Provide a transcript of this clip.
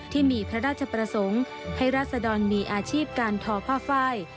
ที่มีพระราชประสงค์ให้ราศดรมีอาชีพการทอผ้าไฟ